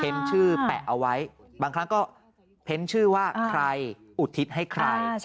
ชื่อแปะเอาไว้บางครั้งก็เพ้นชื่อว่าใครอุทิศให้ใคร